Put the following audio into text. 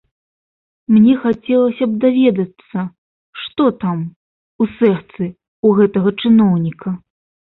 Мне хацелася б даведацца, што там, у сэрцы ў гэтага чыноўніка.